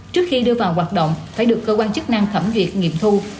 trước khi đưa vào hoạt động phải được cơ quan chức năng thẩm duyệt nghiệm thu